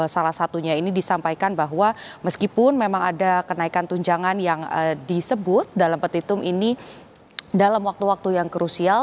salah satunya ini disampaikan bahwa meskipun memang ada kenaikan tunjangan yang disebut dalam petitum ini dalam waktu waktu yang krusial